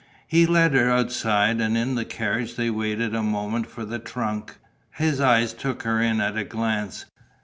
He led her outside; and in the carriage they waited a moment for the trunk. His eyes took her in at a glance.